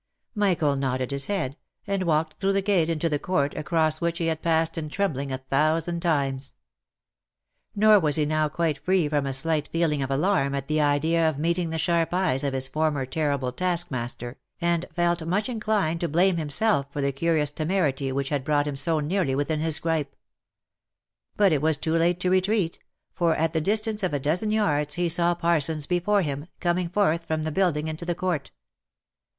Michael nodded his head, and walked through the gate into the court, across which he had passed in trembling a thousand times. Nor was he now quite free from a slight feeling of alarm at the idea of meeting the sharp eyes of his former terrible taskmaster, and felt much inclined to blame himself for the curious temerity which had brought him so nearly within his gripe. But it was too late to retreat^ for at the distance of a dozen yards he saw Parsons before him, coming forth from the building into the court.